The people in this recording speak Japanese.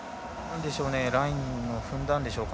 ラインを踏んだんでしょうか。